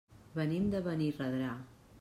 Venim de Benirredrà.